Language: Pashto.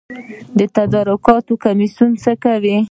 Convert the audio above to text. د تدارکاتو کمیسیون څه کوي؟